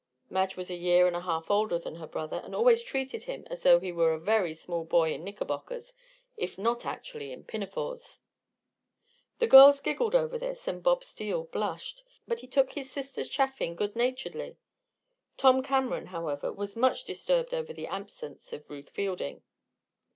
Madge was a year and a half older than her brother and always treated him as though he were a very small boy in knickerbockers if not actually in pinafores. The girls giggled over this, and Bob Steele blushed. But he took his sister's chaffing good naturedly. Tom Cameron, however, was very much disturbed over the absence of Ruth Fielding.